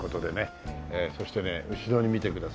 そしてね後ろに見てくださいよ。